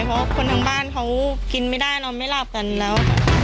เพราะคนทั้งบ้านเขากินไม่ได้นอนไม่หลับกันแล้ว